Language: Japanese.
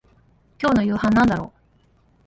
今日の夕飯なんだろう